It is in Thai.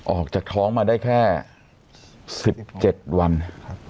ออกจากท้องมาได้แค่สิบเจ็ดวันครับ